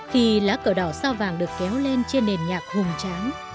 khi lá cờ đỏ sao vàng được kéo lên trên nền nhạc hùng tráng